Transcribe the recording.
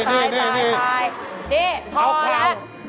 นี่พอแล้ว